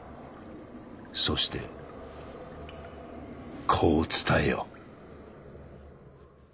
そしてこう伝えよ。